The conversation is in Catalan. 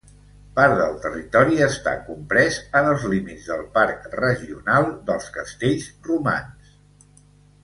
Part del territori està comprès en els límits del Parc Regional dels Castells Romans.